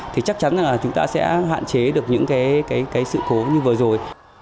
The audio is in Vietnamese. thì chắc chắn là chúng ta sẽ hạn chế được những cái sự cố như vừa rồi